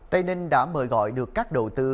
tây ninh đã mời gọi được các đầu tư